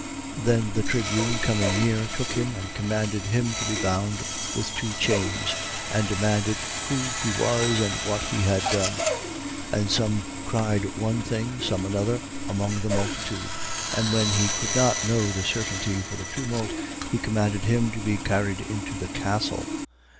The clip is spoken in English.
21:33. Then the tribune, coming near, took him and commanded him to be bound with two chains: and demanded who he was and what he had done. 21:34. And some cried one thing, some another, among the multitude. And when he could not know the certainty for the tumult, he commanded him to be carried into the castle.